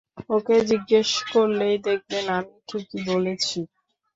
ওকে জিজ্ঞেস করলেই দেখবেন আমি ঠিকই বলেছি।